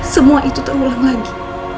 semua itu terulang lagi